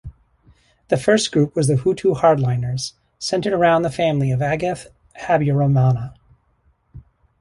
The first group was the Hutu hardliners, centred around the family of Agathe Habyarimana.